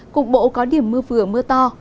cục bộ có điểm mưa vừa mưa to